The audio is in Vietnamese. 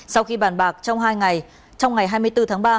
sau khi bàn bạc trong hai ngày trong ngày hai mươi bốn tháng ba